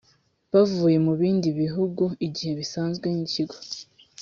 bavuye mu bindi bihugu igihe bisabwe n ikigo